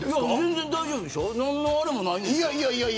全然大丈夫でしょ。